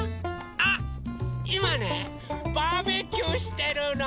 あっいまねバーベキューしてるの！